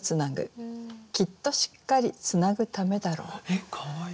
えっかわいい。